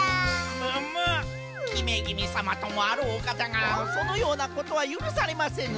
むむっひめぎみさまともあろうおかたがそのようなことはゆるされませぬ。